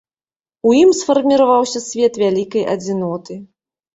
У ім сфарміраваўся свет вялікай адзіноты.